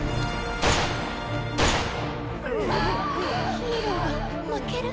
ヒーローが負ける。